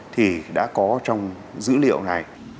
thì đã có trong dữ liệu này